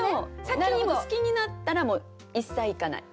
先に好きになったらもう一切いかない。